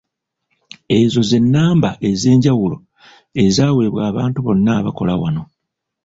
Ezo ze nnamba ez'enjawulo ezaweebwa abantu bonna abakola wano.